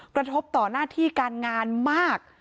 กระทบต่อหน้าที่การงานมาก